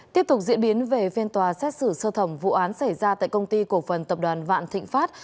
tiếp tục diễn biến về phiên tòa xét xử sơ thẩm vụ án xảy ra tại công ty cổ phần tập đoàn vạn thịnh pháp